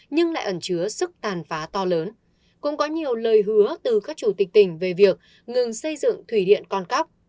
nhưng lại ẩn chứa sức tàn phá to lớn cũng có nhiều lời hứa từ các chủ tịch tỉnh về việc ngừng xây dựng thủy điện con cóc